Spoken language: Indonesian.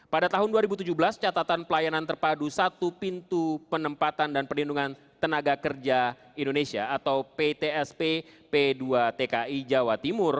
pada tahun dua ribu tujuh belas catatan pelayanan terpadu satu pintu penempatan dan perlindungan tenaga kerja indonesia atau ptsp p dua tki jawa timur